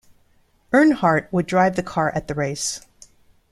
Earnhardt would drive the car at the race.